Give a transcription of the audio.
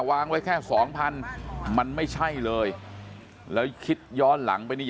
วางไว้แค่สองพันมันไม่ใช่เลยแล้วคิดย้อนหลังไปนี่